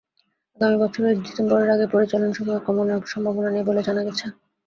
আগামী বছরের ডিসেম্বরের আগে পরিচলন সময় কমানোর সম্ভাবনা নেই বলে জানা গেছে।